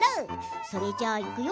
それじゃあいくよ。